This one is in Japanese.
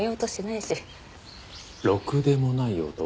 ろくでもない男？